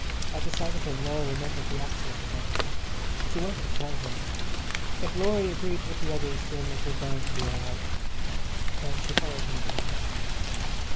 At the sight of him Laura remembered the accident again. She wanted to tell him. If Laurie agreed with the others, then it was bound to be all right. And she followed him into the hall.